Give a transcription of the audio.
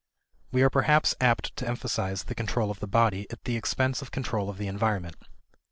We are perhaps apt to emphasize the control of the body at the expense of control of the environment.